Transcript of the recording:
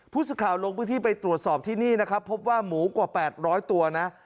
ผู้สื่อข่าวลงพื้นที่ไปตรวจสอบที่นี่นะครับพบว่าหมูกว่า๘๐๐ตัวนะ